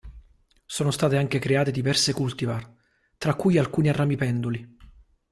Sono state anche create diverse cultivar, tra cui alcune a rami penduli.